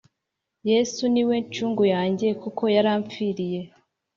Yesu niwe nshungu yanjye kuko yaramfiriye